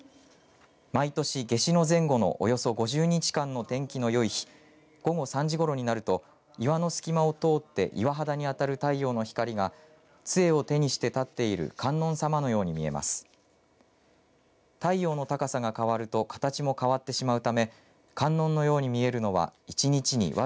毎年、夏至の前後のおよそ５０日間の天気のよい日午後３時ごろになると岩の隙間を通って岩肌にあたる太陽の光がつえを手にして立っている観音さまのように見えます。